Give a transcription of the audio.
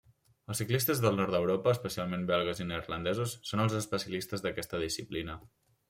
Els ciclistes del nord d'Europa, especialment belgues i neerlandesos, són els especialistes d'aquesta disciplina.